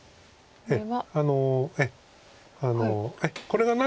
これは。